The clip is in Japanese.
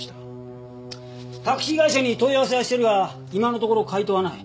タクシー会社に問い合わせはしてるが今のところ回答はない。